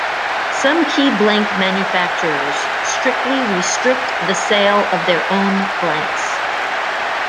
Some key blank manufacturers strictly restrict the sale of their own blanks.